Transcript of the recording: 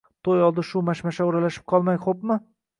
To`y oldi shu mashmasha o`ralashib qolmay, xo`pmi